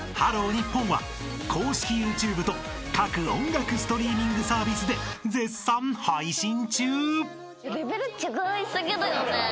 ＮＩＰＰＯＮ！！』は公式ＹｏｕＴｕｂｅと各音楽ストリーミングサービスで絶賛配信中！］